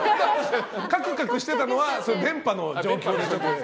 カクカクしていたのは電波の状況です。